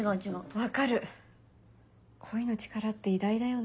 分かる恋の力って偉大だよね。